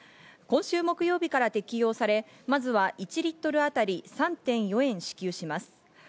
今週木曜日から適用され、まずは１リットルあたり３．４円支給します。